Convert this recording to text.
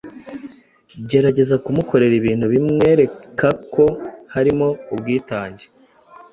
Gerageza kumukorera ibintu bimwereka ko harimo ubwitange